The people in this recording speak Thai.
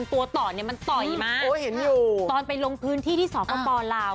ถ้าตัวต่อนี่มันต่อยมั้งตอนไปลงพื้นที่ที่ศพ